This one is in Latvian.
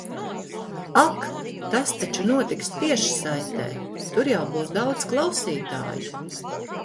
Ak! Tas taču notiks tiešsaitē. Tur jau būs daudz klausītāju.